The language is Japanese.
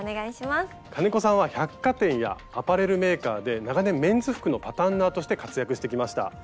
金子さんは百貨店やアパレルメーカーで長年メンズ服のパタンナーとして活躍してきました。